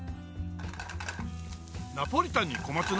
ナポリタンに小松菜？